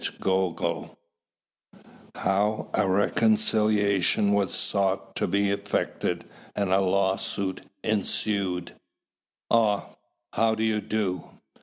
CHAPTER VII HOW A RECONCILIATION WAS SOUGHT TO BE EFFECTED AND A LAW SUIT ENSUED "Ah! how do you do?